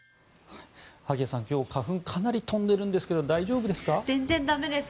萩谷さん、今日花粉かなり飛んでるんですが全然駄目です。